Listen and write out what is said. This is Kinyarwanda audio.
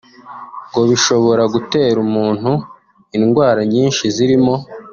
ngo bishobora gutera umuntu indwara nyinshi zirimo